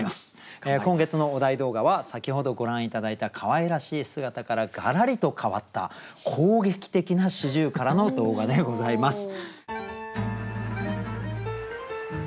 今月のお題動画は先ほどご覧頂いたかわいらしい姿からがらりと変わった攻撃的な四十雀の動画でございます。